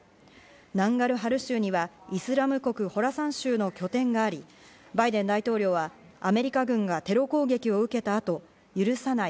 ナンガルハル州にはイスラム国ホラサン州の拠点があり、バイデン大統領はアメリカ軍がテロ攻撃を受けた後、許さない。